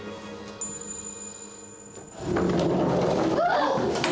あっ！